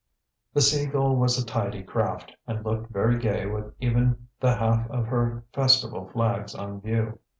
The Sea Gull was a tidy craft, and looked very gay with even the half of her festival flags on view.